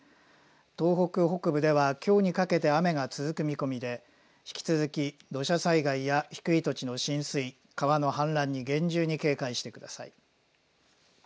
東北北部では、きょうにかけて雨が続く見込みで引き続き土砂災害や低い土地の浸水、川の氾濫に厳重に警戒してください。